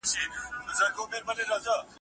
ګل میستري ته یې نجلۍ خوږه ده